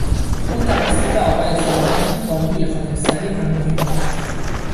او توسط آقای سالمندی با موی خاکستری همراهی میشد.